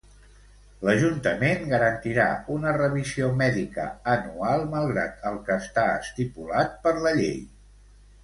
L'Ajuntament garantirà una revisió mèdica anual malgrat el que està estipulat per la llei.